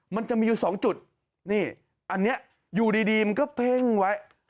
มันจะมีอยู่สองจุดนี่อันนี้อยู่ดีมันก็เพ่งไว้